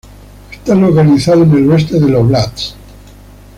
Está localizado en el este del óblast.